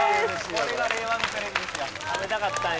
・これが令和のテレビですよ